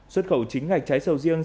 xuất khẩu chính ngạch trái sầu riêng